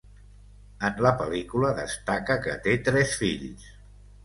En la pel·lícula destaca que té tres fills.